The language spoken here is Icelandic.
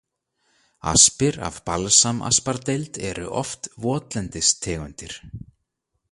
Aspir af balsamaspardeild eru oft votlendis tegundir.